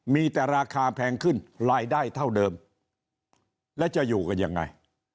มีแต่ราคาแพงขึ้นรายได้เท่าเดิมและจะอยู่กันยังไง